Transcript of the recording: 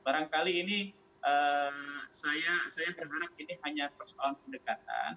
barangkali ini saya berharap ini hanya persoalan pendekatan